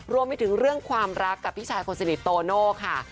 รวมไปถึงเรื่องความรักกับพี่ชายคนสนิทโตโน่ค่ะ